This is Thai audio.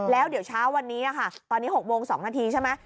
แล้วเดี๋ยวเช้าวันนี้ค่ะตอนนี้๖โมง๒นาทีใช่ไหม